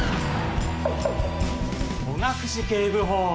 戸隠警部補！